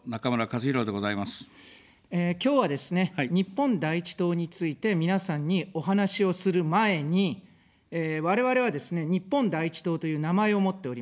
今日はですね、日本第一党について皆さんにお話をする前に、我々はですね、日本第一党という名前を持っております。